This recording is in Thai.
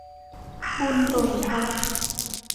บุญหล่นทับ